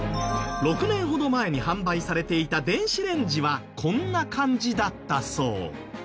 ６年ほど前に販売されていた電子レンジはこんな感じだったそう。